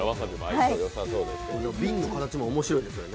瓶の形も面白いですよね。